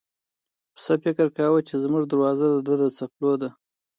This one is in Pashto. پسه فکر کاوه چې زموږ دروازه د ده د چپلو ده.